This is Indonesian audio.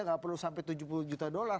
nggak perlu sampai tujuh puluh juta dolar